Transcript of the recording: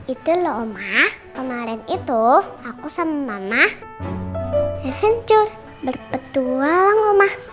itu loh oma kemarin itu aku sama mama adventure berpetualang oma